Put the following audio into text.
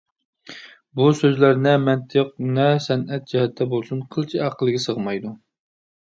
بۇ سۆزلەر نە مەنتىق، نە سەنئەت جەھەتتە بولسۇن قىلچە ئەقىلگە سىغمايدۇ.